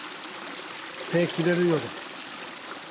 手切れるようだ。